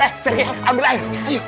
eh sergi ambil air